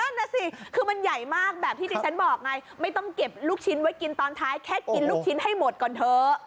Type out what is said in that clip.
นั่นน่ะสิคือมันใหญ่มากแบบที่ดิฉันบอกไงไม่ต้องเก็บลูกชิ้นไว้กินตอนท้ายแค่กินลูกชิ้นให้หมดก่อนเถอะ